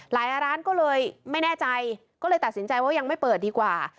ร้านก็เลยไม่แน่ใจก็เลยตัดสินใจว่ายังไม่เปิดดีกว่า